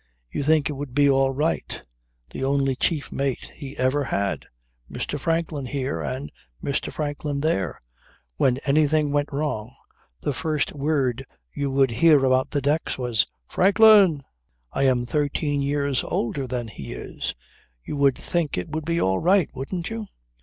You think it would be all right; the only chief mate he ever had Mr. Franklin here and Mr. Franklin there when anything went wrong the first word you would hear about the decks was 'Franklin!' I am thirteen years older than he is you would think it would be all right, wouldn't you?